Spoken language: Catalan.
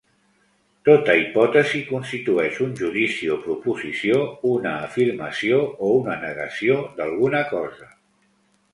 Tota hipòtesi constitueix, un judici o proposició, una afirmació o una negació d'alguna cosa.